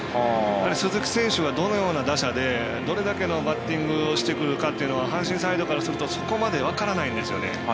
鈴木選手がどのような打者でどれだけのバッティングをしてくるかというのは阪神サイドからするとそこまで分からないんですよね。